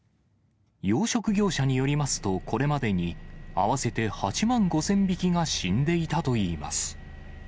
養殖業者によりますと、これまでに、合わせて８万５０００匹が死んでいたといいます。